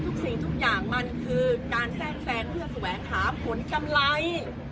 สิ่งทุกอย่างมันคือการแทรกแทรงเพื่อแสวงหาผลกำไร